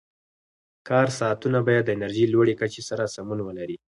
کار ساعتونه باید د انرژۍ لوړې کچې سره سمون ولري.